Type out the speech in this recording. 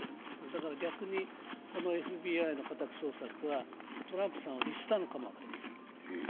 だから逆にこのＦＢＩの家宅捜索はトランプさんを利したのかもしれません。